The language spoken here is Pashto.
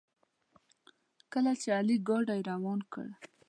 کله چې علي ګاډي روان کړ.